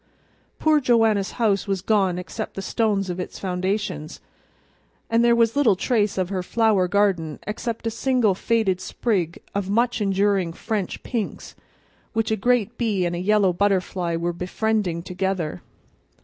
Poor Joanna's house was gone except the stones of its foundations, and there was little trace of her flower garden except a single faded sprig of much enduring French pinks, which a great bee and a yellow butterfly were befriending together.